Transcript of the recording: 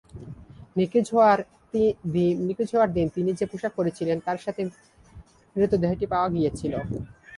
নিখোঁজ হওয়ার দিন তিনি যে পোশাক পরেছিলেন তার সাথে মৃতদেহটি পাওয়া গিয়েছিল।